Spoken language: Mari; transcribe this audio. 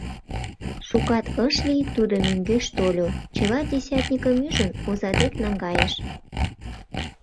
Шукат ыш лий, тудо мӧҥгеш тольо, чыла десятникым ӱжын, оза дек наҥгайыш.